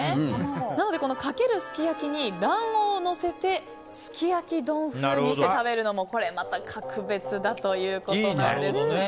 なので、かけるすき焼に卵黄をのせてすき焼き丼風にして食べるのもこれまた格別だということなんですね。